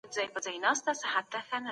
اسلام یو بشپړ نظام دی.